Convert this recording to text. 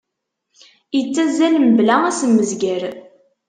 Ittazal mebla asemmezger.